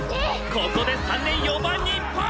ここで３年４番にパス！